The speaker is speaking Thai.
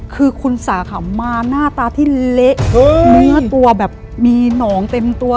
คือคุณสาขามาหน้าตาที่เละเนื้อตัวแบบมีหนองเต็มตัว